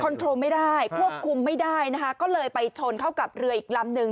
โทรไม่ได้ควบคุมไม่ได้นะคะก็เลยไปชนเข้ากับเรืออีกลำหนึ่ง